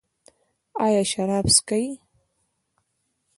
ایا شراب څښئ؟